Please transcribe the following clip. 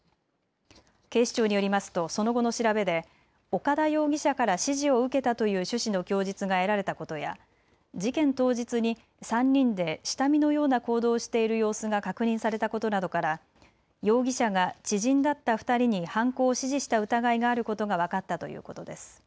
警視庁によりますとその後の調べで岡田容疑者から指示を受けたという趣旨の供述が得られたことや事件当日に３人で下見のような行動をしている様子が確認されたことなどから容疑者が知人だった２人に犯行を指示した疑いがあることが分かったということです。